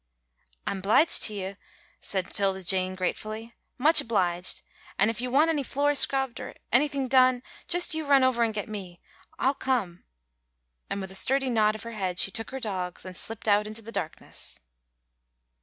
"I'm 'bliged to you," said Tilda Jane, gratefully, "much 'bliged, an' if you want any floors scrubbed, or anythin' done, jus' you run over an' get me. I'll come " and with a sturdy nod of her head, she took her dogs, and slipped out into the darkness.